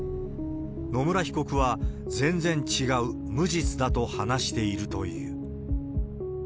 野村被告は、全然違う、無実だと話しているという。